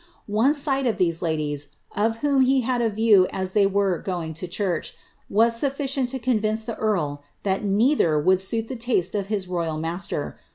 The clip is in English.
One sight of these ladies, of whom he had a view as they were going to church, was sulHcient to convince the earl that neither would suit the taste of his royal master.